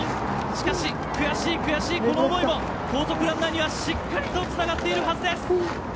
しかし、悔しい悔しいこの思い後続ランナーにはしっかりとつながっているはずです。